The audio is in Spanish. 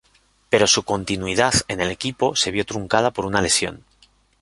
Pero su continuidad en el equipo se vio truncada por una lesión.